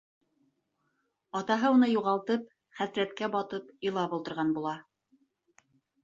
Атаһы уны юғалтып, хәсрәткә батып, илап ултырған була.